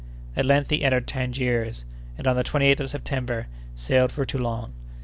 At length he entered Tangiers, and on the 28th of September sailed for Toulon.